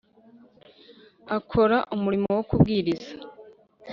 Akora umurimo wo kubwiriza